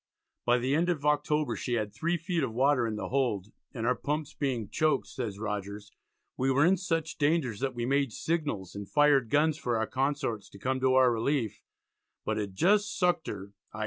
By the end of October she had 3 feet of water in the hold, "and our pumps being choaked," says Rogers, "we were in such danger, that we made signals, and fired guns for our consorts to come to our relief, but had just sucked her (i.